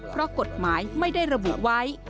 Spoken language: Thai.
เพราะกฎหมายไม่ได้ระบุไว้